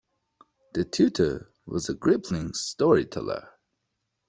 The tutor was a gripping storyteller.